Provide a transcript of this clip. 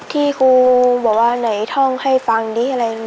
ที่ครูบอกว่าไหนท่องให้ฟังดิอะไร